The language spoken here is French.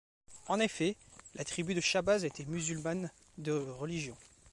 En effet, la tribu de Shabazz était musulmane de religion.